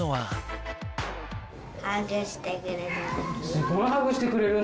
中でもハグしてくれる。